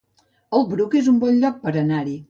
El Bruc es un bon lloc per anar-hi